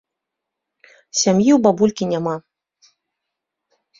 Сям'і ў бабулькі няма.